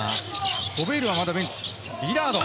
ゴベールはまだベンチ、リガード。